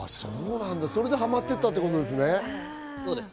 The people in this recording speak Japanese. それでハマってたっていうことですね。